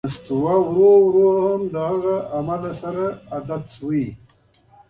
نستوه ورو ـ ورو د همغه ماحول سره عادت کېږي.